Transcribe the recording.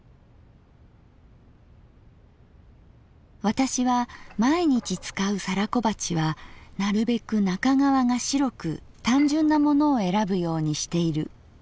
「私は毎日使う皿小鉢はなるべく中側が白く単純なものをえらぶようにしている。